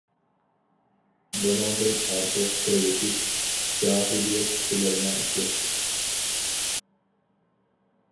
بۇنىڭدىن ئارتۇق تۆلىتىش جاھىلىيەت كىشىلىرىنىڭ ئىشى!